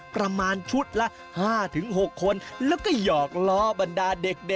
ประมาณชุดละ๕๖คนแล้วก็หยอกล้อบรรดาเด็ก